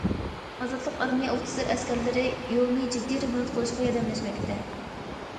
ئازادلىق ئارمىيە ئوفىتسېر- ئەسكەرلىرى يولنى جىددىي رېمونت قىلىشقا ياردەملەشمەكتە.